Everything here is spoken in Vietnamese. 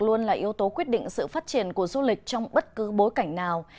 luôn là yếu tố quyết định sự phát triển của du lịch trong bất cứ bối cảnh nào